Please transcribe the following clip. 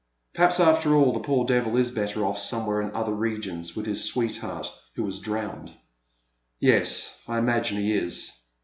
Perhaps after all the poor devil is better off somewhere in other regions with his sweetheart who was drowned, — yes, I imagine he is.